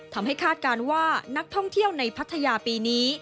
คาดการณ์ว่านักท่องเที่ยวในพัทยาปีนี้